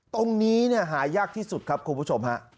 ตรงนี้หายากที่สุดครับคุณผู้ชมฮะ